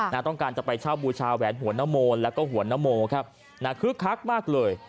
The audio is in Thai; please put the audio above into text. ต้องการจะไปเช่าบูชาแหวนหัวนโมนแล้วก็หัวนโมครับนะคึกคักมากเลย